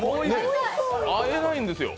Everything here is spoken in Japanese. あえないんですよ。